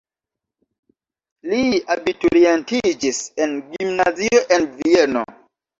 Li abiturientiĝis en gimnazio en Vieno.